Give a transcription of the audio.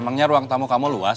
memangnya ruang tamu kamu luas